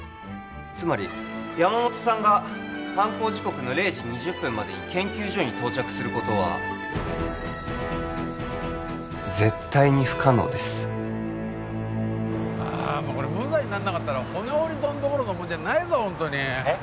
つまり山本さんが犯行時刻の０時２０分までに研究所に到着することは絶対に不可能ですこれ無罪になんなかったら骨折り損どころじゃないぞえッ？